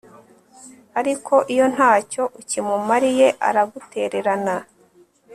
ariko iyo nta cyo ukimumariye, aragutererana